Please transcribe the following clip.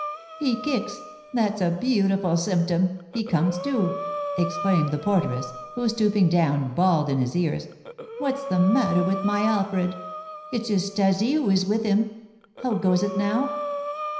"He kicks, that's a beautiful symptom! He comes to!" exclaimed the porteress, who, stooping down, bawled in his ears, "What's the matter with my Alfred? It's his 'Stasie who is with him. How goes it now?